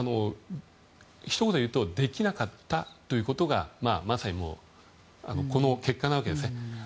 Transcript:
ひと言で言うとできなかったということがまさに、この結果なわけですね。